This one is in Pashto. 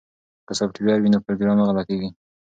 که سافټویر وي نو پروګرام نه غلطیږي.